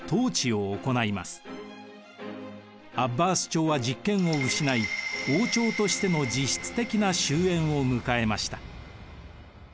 朝は実権を失い王朝としての実質的な終えんを迎えました。